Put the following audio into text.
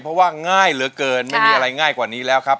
เพราะว่าง่ายเหลือเกินไม่มีอะไรง่ายกว่านี้แล้วครับ